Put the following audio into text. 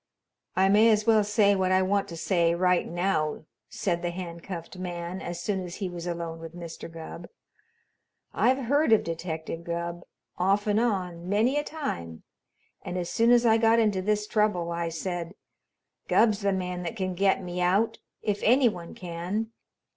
"I may as well say what I want to say right now," said the handcuffed man as soon as he was alone with Mr. Gubb. "I've heard of Detective Gubb, off and on, many a time, and as soon as I got into this trouble I said, 'Gubb's the man that can get me out if any one can.'